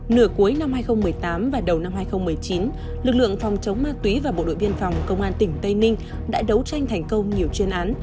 nửa cuối năm hai nghìn một mươi tám và đầu năm hai nghìn một mươi chín lực lượng phòng chống ma túy và bộ đội biên phòng công an tỉnh tây ninh đã đấu tranh thành công nhiều chuyên án